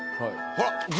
ほら。